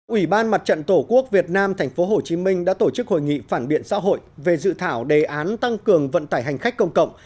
ủy ban mặt trận tổ quốc việt nam tp hcm đã tổ chức hội nghị phản biện xã hội về dự thảo đề án tăng cường vận tải hành khách công cộng